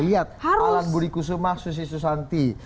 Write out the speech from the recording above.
lihat alan burikusuma susi susanti